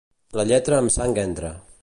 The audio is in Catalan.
la lletra amb sang entra